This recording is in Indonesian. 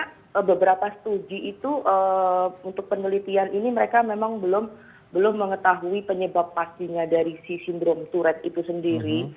sebenarnya beberapa studi itu untuk penelitian ini mereka memang belum mengetahui penyebab pastinya dari si sindrom tourette itu sendiri